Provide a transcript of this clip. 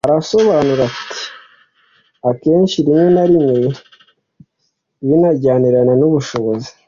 Asobanura ati “Akenshi rimwe na rimwe binajyanirana n’ubushobozi